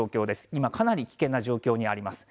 今、かなり危険な状況にあります。